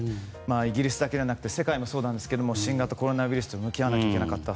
イギリスだけじゃなくて世界もそうなんですが新型コロナウイルスと向き合わなきゃいけなかった。